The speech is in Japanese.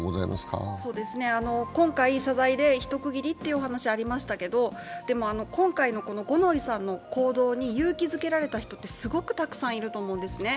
今回、謝罪で一区切りというお話がありましたけれども、でも今回の五ノ井さんの行動に勇気づけられた人ってすごくたくさんいると思うんですね。